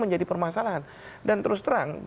menjadi permasalahan dan terus terang